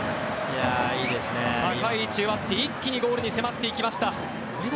高い位置で奪って、一気にゴールに迫っていきました。